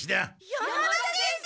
山田先生！